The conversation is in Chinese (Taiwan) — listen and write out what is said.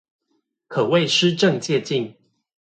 可為施政借鏡